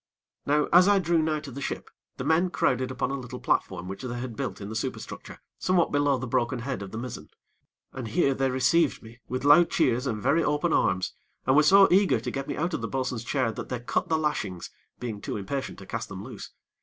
Now, as I drew nigh to the ship, the men crowded upon a little platform which they had built in the superstructure somewhat below the broken head of the mizzen, and here they received me with loud cheers and very open arms, and were so eager to get me out of the bo'sun's chair, that they cut the lashings, being too impatient to cast them loose.